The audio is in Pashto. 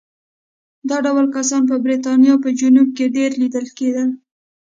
دا ډول کسان په برېټانیا په جنوب کې ډېر لیدل کېدل.